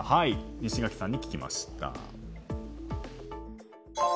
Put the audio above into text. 西垣さんに聞きました。